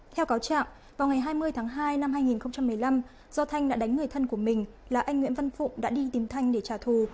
theo cáo trạng vào ngày hai mươi tháng hai năm hai nghìn một mươi năm do thanh đã đánh người thân của mình là anh nguyễn văn phụng đã đi tìm thanh để trả thù